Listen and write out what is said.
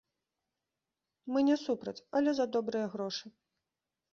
Мы не супраць, але за добрыя грошы.